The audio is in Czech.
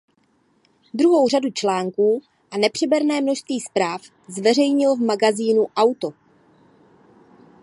Dlouhou řadu článků a nepřeberné množství zpráv zveřejnil v magazínu Auto.